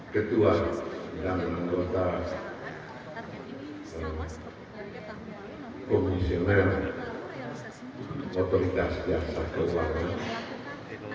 ketua dan anggota komisioner otoritas jasa keluarga